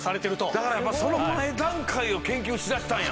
だからその前段階を研究しだしたんや！